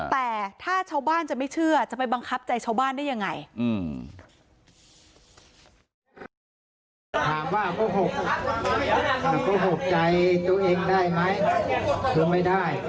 แต่ถ้าชาวบ้านจะไม่เชื่อจะไปบังคับใจชาวบ้านได้ยังไง